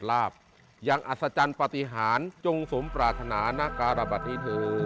และโทษที